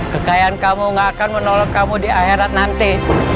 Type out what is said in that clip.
kekayaan kamu gak akan menolak kamu di akhirat nanti